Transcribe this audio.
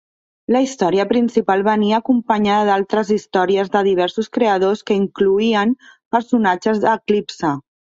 La història principal venia acompanyada d'altres històries de diversos creadors que incloïen personatges d'Eclipse.